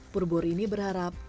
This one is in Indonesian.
purbor ini berharap